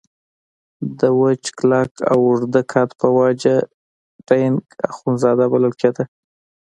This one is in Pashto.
د وچ کلک او اوږده قد په وجه ډینګ اخندزاده بلل کېده.